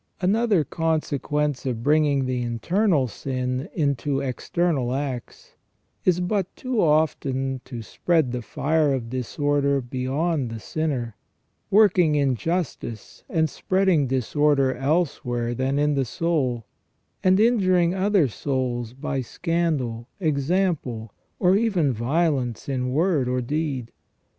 Another consequence of bringing the internal sin into external acts is but too often to spread the fire of disorder beyond the sinner, working injustice and spreading disorder elsewhere than in the soul, and injuring other souls by scandal, example, or even violence in word or deed.